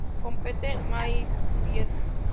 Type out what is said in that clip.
Con Peter Mayfield.